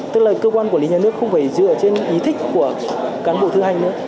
tức là cơ quan quản lý nhà nước không phải dựa trên ý thích của cán bộ thứ hành nữa